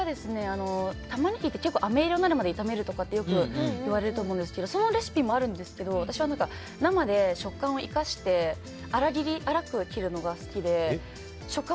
タマネギがあめ色になるまで炒めるとかよく言われてると思うんですけどそのレシピもあるんですけど私は生で食感を生かして粗く切るのが好きで。